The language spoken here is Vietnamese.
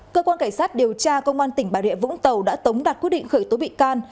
cơ quan cảnh sát điều tra công an tỉnh bà rịa vũng tàu đã tống đặt quyết định khởi tố bị can